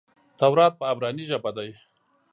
تورات په عبراني ژبه دئ.